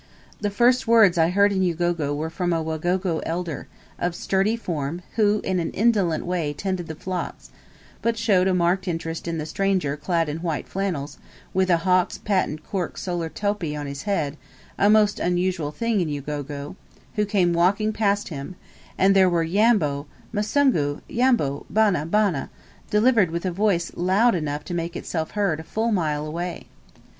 The first words I heard in Ugogo were from a Wagogo elder, of sturdy form, who in an indolent way tended the flocks, but showed a marked interest in the stranger clad in white flannels, with a Hawkes' patent cork solar topee on his head, a most unusual thing in Ugogo, who came walking past him, and there were "Yambo, Musungu, Yambo, bana, bana," delivered with a voice loud enough to make itself heard a full mile away.